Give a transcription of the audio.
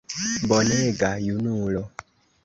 Bonega junulo!